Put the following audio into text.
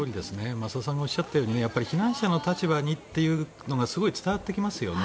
増田さんがおっしゃったように避難者の立場にというのがすごい伝わってきますよね。